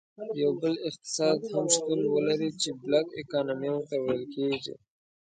یو بل اقتصاد هم شتون ولري چې Black Economy ورته ویل کیږي.